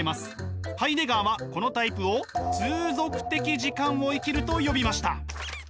ハイデガーはこのタイプを「通俗的時間を生きる」と呼びました。